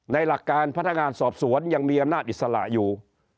หลักการพนักงานสอบสวนยังมีอำนาจอิสระอยู่